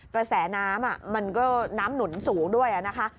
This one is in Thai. แปลแสน้ำอ่ะมันก็น้ำหนุนสูงด้วยอ่ะนะคะ